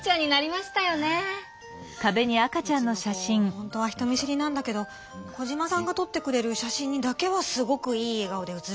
ほんとは人見知りなんだけどコジマさんがとってくれる写真にだけはすごくいいえがおで写るのよね。